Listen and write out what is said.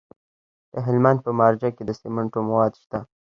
د هلمند په مارجه کې د سمنټو مواد شته.